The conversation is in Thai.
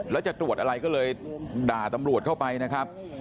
แล้วจะตรวจอะไรก็เลยด่าตำรวจเข้าไปนะครับ